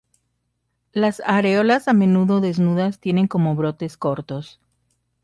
Las areolas, a menudo desnudas, tienen como brotes cortos.